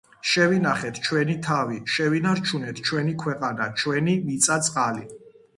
შევინახეთ ჩვენი თავი, შევინარჩუნეთ ჩვენი ქვეყანა, ჩვენი მიწა-წყალი.